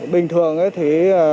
bình thường thì